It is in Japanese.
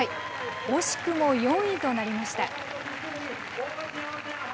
惜しくも４位となりました。